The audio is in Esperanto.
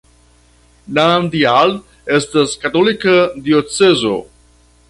Nandjal estas katolika diocezo.